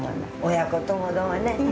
親子ともどもね。